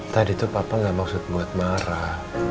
tadi tuh papa gak maksud buat marah